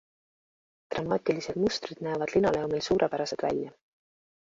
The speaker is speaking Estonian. Dramaatilised mustrid näevad linoleumil suurepärased välja.